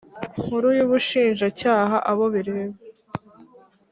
Nkuru y Ubushinjacyaha abo bireba